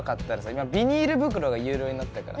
今ビニール袋が有料になったからさ